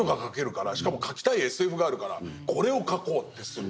からしかも描きたいＳＦがあるからこれを描こうってする。